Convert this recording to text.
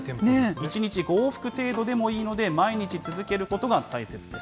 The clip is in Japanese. １日５往復程度でもいいので、毎日続けることが大切です。